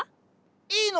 いいの？